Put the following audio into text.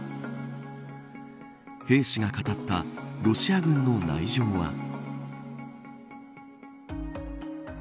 兵士が語ったロシア軍の内情は。